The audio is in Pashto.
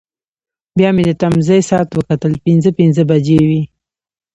بیا مې د تمځای ساعت وکتل، پنځه پنځه بجې وې.